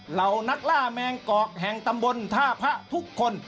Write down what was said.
เหล่านักล่าแมงกอกแห่งตำบลท่าพระทุกคน